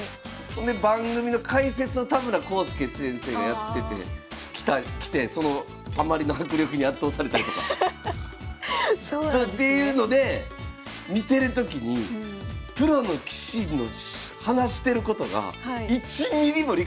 で番組の解説を田村康介先生がやってて来てそのあまりの迫力に圧倒されたりとか。っていうので見てる時にプロの棋士の話してることが１ミリも理解できなかったんですよ。